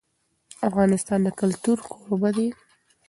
افغانستان د کلتور کوربه دی.